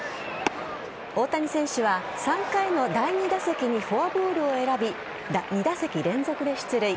大谷選手は３回の第２打席にフォアボールを選び２打席連続で出塁。